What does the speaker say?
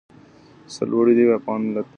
سرلوړی دې وي افغان ملت.